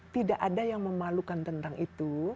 tidak ada yang memalukan tentang itu